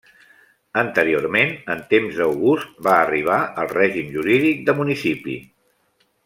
Anteriorment, en temps d'August, va arribar el règim jurídic de municipi.